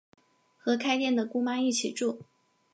跟开店的姑妈一起住